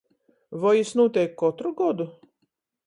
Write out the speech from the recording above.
Voi jis nūteik kotru godu?